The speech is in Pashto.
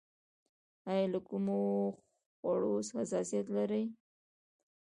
ایا له کومو خوړو حساسیت لرئ؟